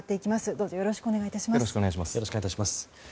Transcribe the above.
どうぞよろしくお願い致します。